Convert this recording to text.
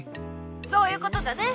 そういうことだね！